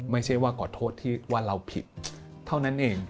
ไม่ใช่ว่าขอโทษที่ว่าเราผิดเท่านั้นเอง